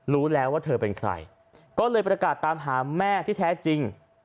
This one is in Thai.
รู้แล้วว่าเธอเป็นใครก็เลยประกาศตามหาแม่ที่แท้จริง